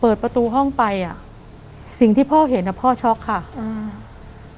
เปิดประตูห้องไปอ่ะสิ่งที่พ่อเห็นอ่ะพ่อช็อกค่ะอืม